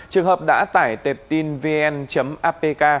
trường hợp đã tải tệp tin vn apk